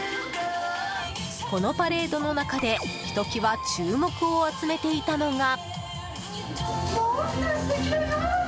このパレードの中でひときわ注目を集めていたのが。